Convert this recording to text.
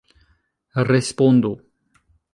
Respondu.